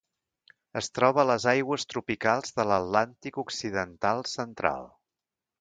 Es troba a les aigües tropicals de l'Atlàntic occidental central.